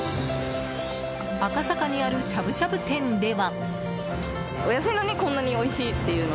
赤坂にあるしゃぶしゃぶ店では。